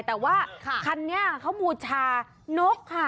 แต่ว่าคันนี้เขาบูชานกค่ะ